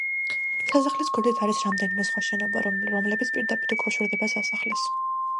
სასახლის გვერდით არის რამდენიმე სხვა შენობა, რომლებიც პირდაპირ უკავშირდება სასახლეს.